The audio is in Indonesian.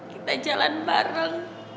kita jalan bareng